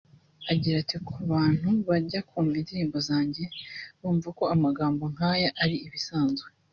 Agira ati “Ku bantu bajya bumva indirimbo zanjye bumva ko amagambo nk’aya ari ibisanzwe